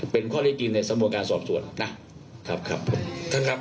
เป็นข้อได้จริงในสำนวนการสอบสวนนะครับครับผมท่านครับ